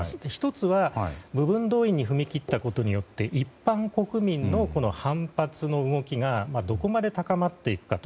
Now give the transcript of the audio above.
１つは部分動員に踏み切ったことによって一般国民の反発の動きがどこまで高まっていくか。